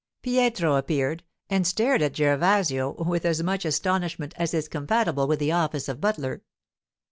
Pietro appeared, and stared at Gervasio with as much astonishment as is compatible with the office of butler.